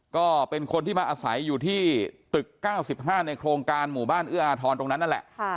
ก็เป็นคนที่มาอาศัยอยู่ที่ตึก๙๕ในโครงการหมู่บ้านเอื้ออาทรตรงนั้นนั่นแหละ